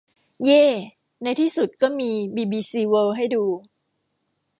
เย่ ในที่สุดก็มีบีบีซีเวิลด์ให้ดู